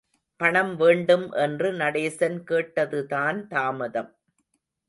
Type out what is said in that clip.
பணம் வேண்டும் என்று நடேசன் கேட்டதுதான் தாமதம்.